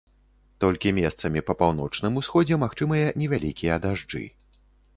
Толькі месцамі па паўночным усходзе магчымыя невялікія дажджы.